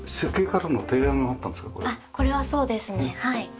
これはそうですねはい。